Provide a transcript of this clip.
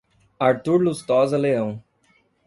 Artur Lustosa Leao